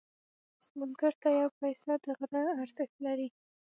سوالګر ته یو پيسه د غره ارزښت لري